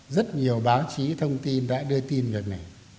rất nhiều báo chí thông tin đã đưa tin đến